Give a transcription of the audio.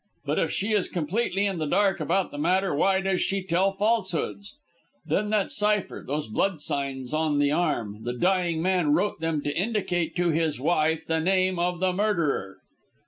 But if she is completely in the dark about the matter, why does she tell falsehoods? Then that cypher, those blood signs on the arm the dying man wrote them to indicate to his wife the name of the murderer."